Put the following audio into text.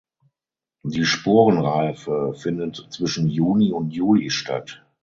Die Sporenreife findet zwischen Juni und Juli statt.